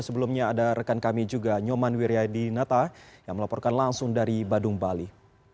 sebelumnya ada rekan kami juga nyoman wiryadinata yang melaporkan langsung dari badung bali